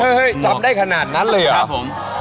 เฮ้ยเจอได้ขนาดนั้นเลยหรอ